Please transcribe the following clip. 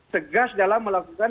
tegas dalam melakukan